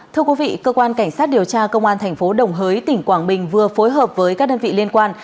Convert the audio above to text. thưa quý vị cơ quan cảnh sát điều tra công an tp đồng hới tỉnh quảng bình vừa phối hợp với các đơn vị liên quan